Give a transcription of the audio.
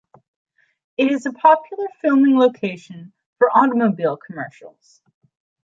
It is a popular filming location for automobile commercials.